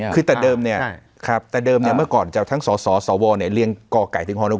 คือแต่เดิมเนี่ยเมื่อก่อนจะทั้งสอสอสอวอเรียงกอไก่ถึงฮนกฟู